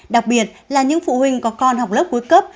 đặc biệt là những phụ huynh có con học lớp cuối cấp